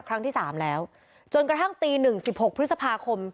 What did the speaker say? ครั้งที่สามแล้วจนกระทั่งตีหนึ่งสิบหกพฤษภาคม